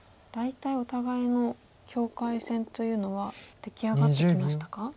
大体お互いの境界線というのは出来上がってきましたか？